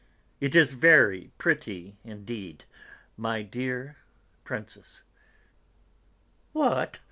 It is very pretty indeed, my dear Princess." "What!